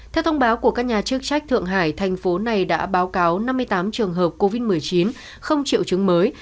theo thông báo của các nhà chức trách thượng hải thành phố này đã báo cáo năm mươi tám trường hợp covid một mươi chín không triệu chứng mới